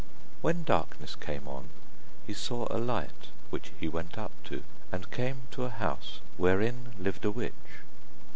When darkness came on, he saw a light, which he went up to, and came to a house wherein lived a witch.